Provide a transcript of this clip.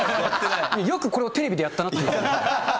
よくこれをテレビでやったなと思って。